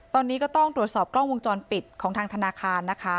ตอนนี้ก็ต้องตรวจสอบกล้องวงจรปิดของทางธนาคารนะคะ